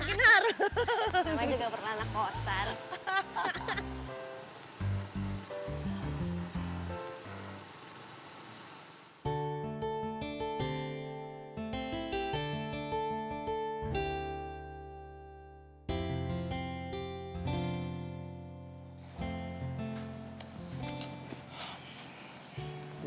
gue juga pernah nakosan